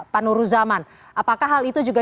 pak nur ruzaman apakah hal itu juga